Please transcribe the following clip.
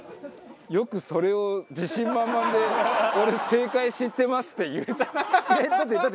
よくそれを自信満々で「俺正解知ってます」って言えたな。